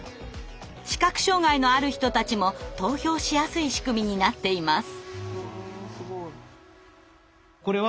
視覚障害のある人たちも投票しやすい仕組みになっています。